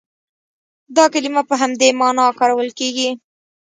دا کلمه په همدې معنا کارول کېږي.